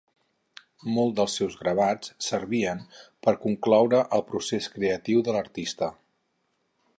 Molts dels seus gravats servien per concloure el procés creatiu de l'artista.